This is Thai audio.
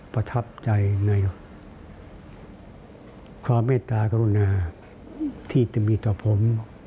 ประทับใจในความเมตตากรุณาที่จะมีต่อผม